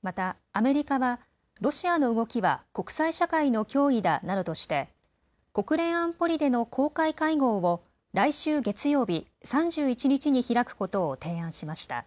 また、アメリカはロシアの動きは国際社会の脅威だなどとして国連安保理での公開会合を来週月曜日、３１日に開くことを提案しました。